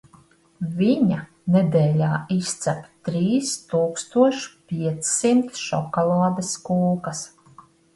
Viņa nedēļā izcep trīs tūkstoš piecsimt šokolādes kūkas.